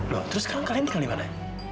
loh terus sekarang kalian tinggal dimana